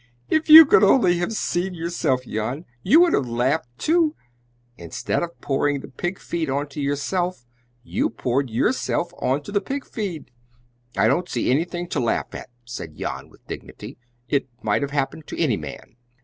"If you could only have seen yourself, Jan! You would have laughed, too! Instead of pouring the pig feed on to yourself, you poured yourself on to the pig feed!" "I don't see anything to laugh at," said Jan with dignity; "it might have happened to any man."